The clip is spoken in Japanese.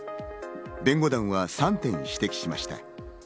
弁護団は３点指摘しました。